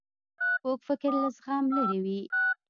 کوږ فکر له زغم لیرې وي